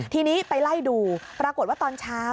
ทีนี้ไปไล่ดูปรากฏว่าตอนเช้า